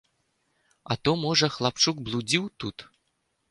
А то, можа, хлапчук блудзіў тут?